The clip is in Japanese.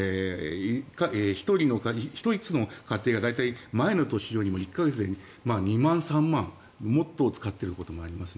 １つの家庭が大体、前の年よりも１か月で２万、３万もっと使っていることになります。